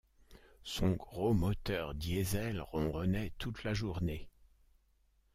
Son gros moteur diesel ronronnait toute la journée.